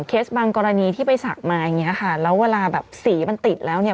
เคสบางกรณีที่ไปศักดิ์มาอย่างเงี้ยค่ะแล้วเวลาแบบสีมันติดแล้วเนี่ย